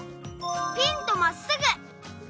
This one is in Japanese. ピンとまっすぐ。